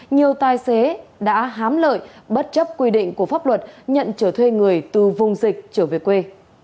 nhiều tài xế đã hám lợi bất chấp quy định của pháp luật nhận trở thuê người từ vùng dịch trở về quê